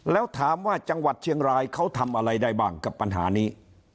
แล้วถามว่าจังหวัดเชียงรายเขาทำอะไรได้บ้างกับปัญหานี้